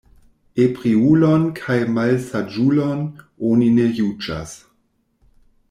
Ebriulon kaj malsaĝulon oni ne juĝas.